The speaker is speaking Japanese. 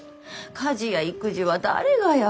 家事や育児は誰がやるの？